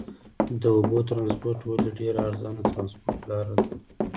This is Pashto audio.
د اوبو ترانسپورت ولې ډېره ارزانه ترانسپورت لار ده؟